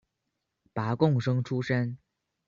拔贡生出身。